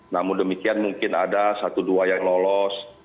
namun demikian mungkin ada satu dua yang lolos